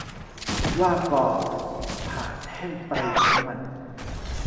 'หว้ากอ' ผ่าแท่งประหยัดน้ำมัน